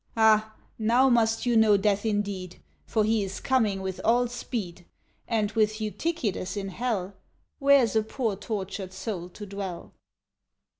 Ah, now must you know death indeed. For he is coming with all speed ; And with Eutychides in Hell, Where's a poor tortured soul to dwell